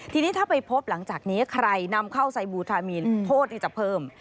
ทีนี้ถ้าไปพบหลังจากนี้ใครนำเข้าไซบูทามีนโทษนี่จะเพิ่ม